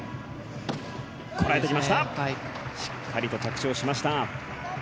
しっかりと着地をしました。